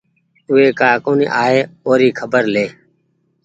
اوي ڪآ ڪونيٚ آئي اور خبر لي